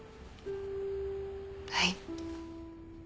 はい。